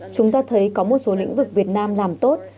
chúng ta thấy có một số lĩnh vực việt nam làm tốt